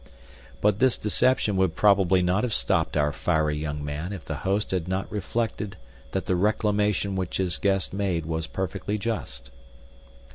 But this deception would probably not have stopped our fiery young man if the host had not reflected that the reclamation which his guest made was perfectly just.